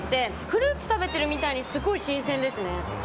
フルーツを食べているみたいに新鮮ですね。